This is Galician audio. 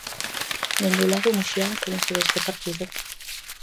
Dende o lado muxián como se ve este partido?